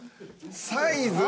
サイズ？